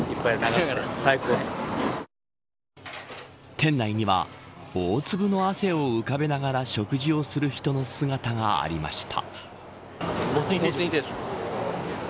店内には大粒の汗を浮かべながら食事をする人の姿がありました。